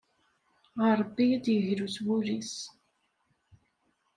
Ɣer Ṛebbi ad yeglu s wul-is.